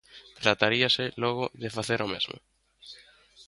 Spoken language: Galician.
Trataríase, logo, de facer o mesmo.